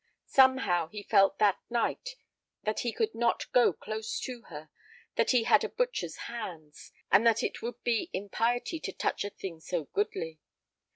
Somehow he felt that night that he could not go close to her, that he had a butcher's hands, and that it would be impiety to touch a thing so goodly.